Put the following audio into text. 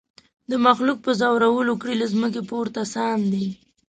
د مخلوق په زورولو کړي له مځکي پورته ساندي